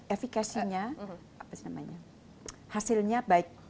efekasinya hasilnya baik